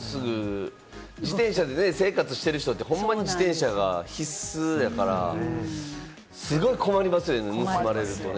自転車で生活してる人ってほんまに自転車が必須やから、すごい困りますよね、盗まれるとね。